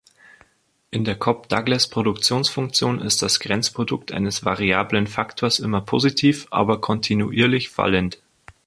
In der Cobb-Douglas-Produktionsfunktion ist das Grenzprodukt eines variablen Faktors immer positiv, aber kontinuierlich fallend.